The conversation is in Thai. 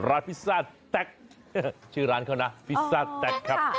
พิซซ่าแต๊กชื่อร้านเขานะพิซซ่าแต๊กครับ